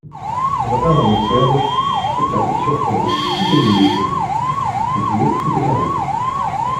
Le matin on observe ; spectacle surprenant, tout est mouillé chez lui ; autour tout est aride.